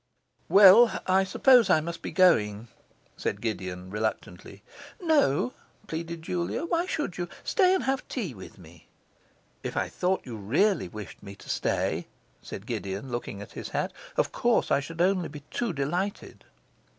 'Well, I suppose I must be going,' said Gideon reluctantly. 'No,' pleaded Julia. 'Why should you? Stay and have tea with me.' 'If I thought you really wished me to stay,' said Gideon, looking at his hat, 'of course I should only be too delighted.